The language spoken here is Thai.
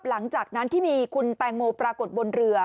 หลังจากนั้นที่มีคุณแตงโมปรากฏบนเรือ